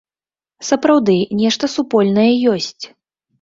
Сапраўды, нешта супольнае ёсць.